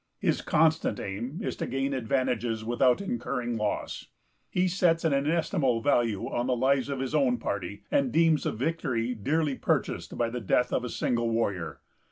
His constant aim is to gain advantages without incurring loss. He sets an inestimable value on the lives of his own party, and deems a victory dearly purchased by the death of a single warrior.